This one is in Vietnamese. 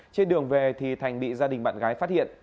trên đường về thì thành bị gia đình bạn gái phát hiện